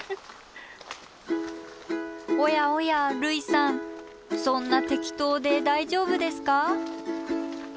おやおや類さんそんな適当で大丈夫ですか？